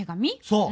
「そう。